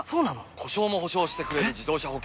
故障も補償してくれる自動車保険といえば？